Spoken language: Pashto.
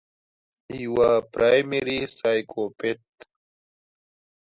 يوه پرائمري سايکوپېت